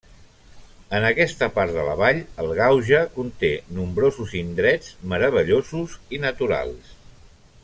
En aquesta part de la vall, el Gauja conté nombrosos indrets meravellosos i naturals.